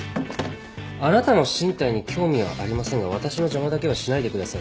あなたの進退に興味はありませんが私の邪魔だけはしないでください。